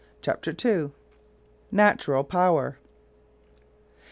CHAPTER II. NATURAL POWER.